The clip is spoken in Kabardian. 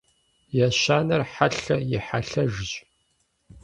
Ещанэр хьэлъэ и хьэлъэжщ.